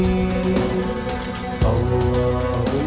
kepala diversitas dari nation